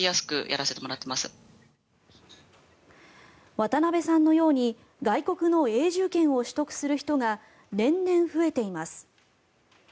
渡辺さんのように外国の永住権を取得する人が年々増えています。